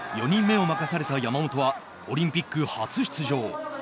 ４人目を任された山本はオリンピック初出場。